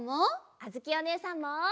あづきおねえさんも！